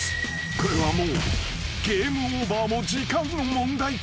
［これはもうゲームオーバーも時間の問題か？］